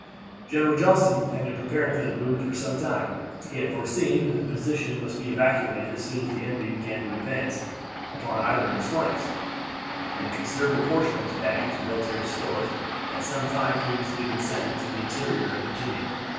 General Johnston had been preparing for the movement for some time; he had foreseen that the position must be evacuated as soon as the enemy began to advance upon either of his flanks, and a considerable portion of his baggage and military stores had some time previously been sent into the interior of Virginia.